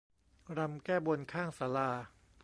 รำแก้บนข้างศาลา